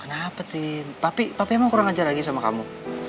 kenapa tint papi papi emang kurang ajar lagi sama kamu